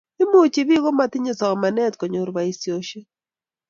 Imukochi bik chematinye somanet konyor boisioshek